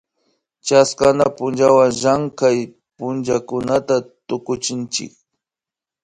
chaska punllawan llankanak pullakunata tukuchinchik